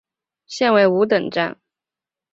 现为五等站。